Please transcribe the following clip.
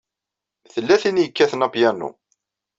Tella tin i yekkaten apyanu.